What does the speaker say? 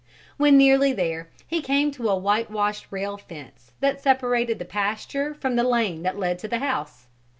When nearly there he came to a white washed rail fence that separated the pasture from the lane that led to the house.